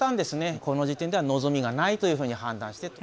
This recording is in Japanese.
この時点では望みがないというふうに判断してと。